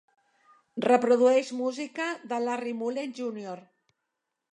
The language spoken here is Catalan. Reprodueix música de Larry Mullen Jr.